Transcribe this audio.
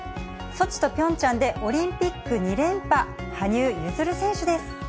ソチとピョンチャンでオリンピック２連覇、羽生結弦選手です。